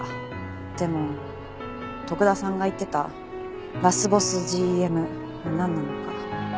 でも徳田さんが言ってたラスボスＧＭがなんなのか。